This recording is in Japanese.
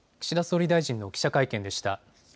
岸田総理大臣の記者会見でした。